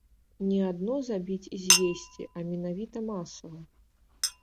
Не адно забіць і з'есці, а менавіта масава.